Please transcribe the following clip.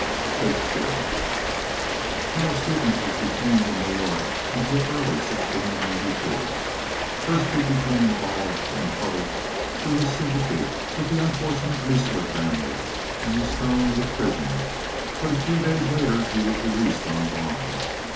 Shakespeare. Charles Stevens was detained in New York until early in 1692. First he became involved in trouble through his sympathy with the unfortunate Leisler family and was thrown into prison; but a few days later he was released on bond.